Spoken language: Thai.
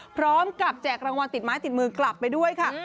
พร้อมกับแจกรางวัลติดม้ายติดมือกลับไปด้วยค่ะ